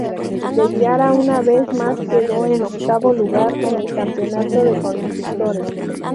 Dallara una vez más quedó en octavo lugar en el Campeonato de Constructores.